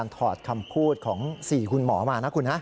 ถอดคำพูดของ๔คุณหมอมานะคุณนะ